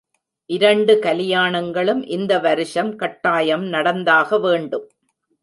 இரண்டு கலியாணங்களும் இந்த வருஷம் கட்டாயம் நடந்தாக வேண்டும்.